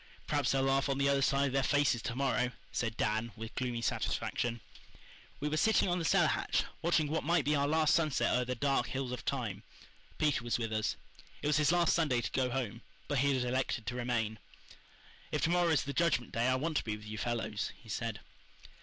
"Perhaps they'll laugh on the other side of their faces to morrow," said Dan, with gloomy satisfaction. We were sitting on the cellar hatch, watching what might be our last sunset o'er the dark hills of time. Peter was with us. It was his last Sunday to go home, but he had elected to remain. "If to morrow is the Judgment Day I want to be with you fellows," he said.